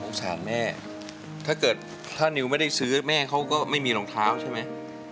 สารแม่ถ้าเกิดถ้านิวไม่ได้ซื้อแม่เขาก็ไม่มีรองเท้าใช่ไหม